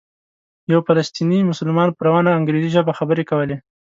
یو فلسطینی مسلمان په روانه انګریزي ژبه خبرې کولې.